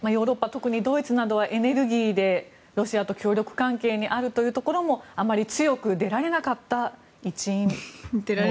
特にドイツはエネルギーでロシアと協力関係にあるというところもあまり強く出られなかった一因だと。